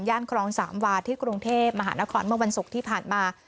ครองสามวาที่กรุงเทพมหานครเมื่อวันศุกร์ที่ผ่านมา